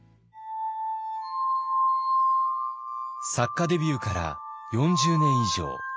作家デビューから４０年以上。